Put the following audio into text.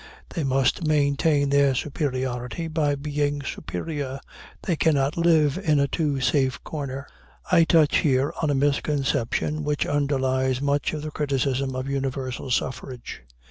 They must maintain their superiority by being superior. They cannot live in a too safe corner. I touch here on a misconception which underlies much of the criticism of universal suffrage.